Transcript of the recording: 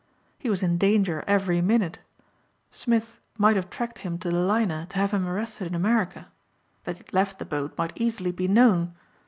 He was in danger every minute. Smith might have tracked him to the liner to have him arrested in America. That he had left the boat might easily be known.